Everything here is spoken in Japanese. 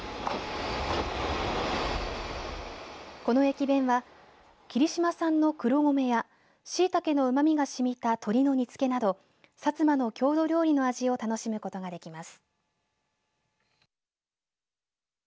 この駅弁は霧島産の黒米やしいたけのうまみがしみた鶏の煮つけなど薩摩の郷土料理の味を楽しむことができます。